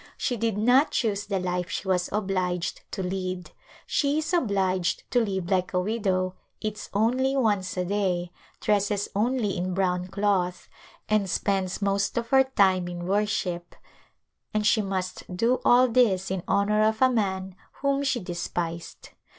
She did not choose the life she was obliged to lead. She is obliged to live like a widow, eats only once a day, dresses only in brown cloth, and spends most of her time in worship, and she must do all this in honor of a man whom she despised.